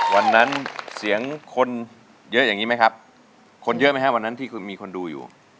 วันนั้นเสียงคนเยอะอย่างนี้ไหมครับคนเยอะไหมฮะวันนั้นที่มีคนดูอยู่